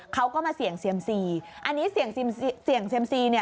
เขาก็มาเสี่ยงเซียมซีอันนี้เสี่ยงเซียมซีเนี่ย